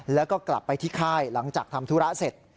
แล้วก็กลับไปที่ค่ายหลังจากทำธุระเสร็จ